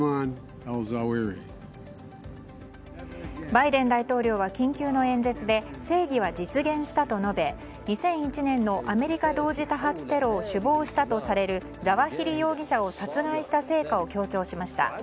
バイデン大統領は緊急の演説で正義は実現したと述べ２００１年のアメリカ同時多発テロを首謀したとされるザワヒリ容疑者を殺害した成果を強調しました。